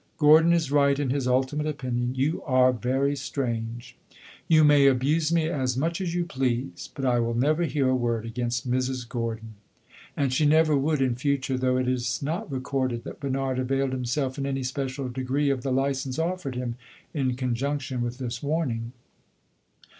"Gordon is right in his ultimate opinion. You are very strange!" "You may abuse me as much as you please; but I will never hear a word against Mrs. Gordon." And she never would in future; though it is not recorded that Bernard availed himself in any special degree of the license offered him in conjunction with this warning.